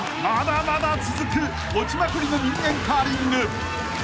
［まだまだ続く落ちまくりの人間カーリング］